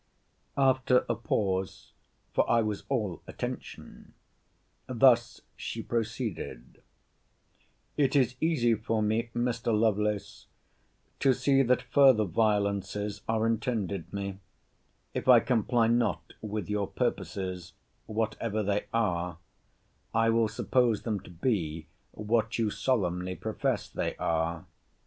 After a pause (for I was all attention) thus she proceeded: It is easy for me, Mr. Lovelace, to see that further violences are intended me, if I comply not with your purposes, whatever they are, I will suppose them to be what you solemnly profess they are.